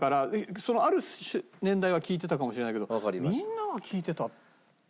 ある年代は聴いてたかもしれないけどみんなが聴いてたとは。